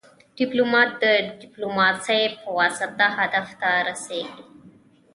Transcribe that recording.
ډيپلومات د ډيپلوماسي پواسطه هدف ته رسیږي.